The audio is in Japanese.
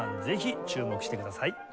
ぜひ注目してください。